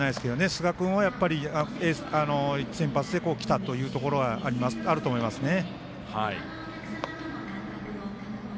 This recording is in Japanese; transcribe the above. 寿賀君は、先発できたというところはあると思いますね。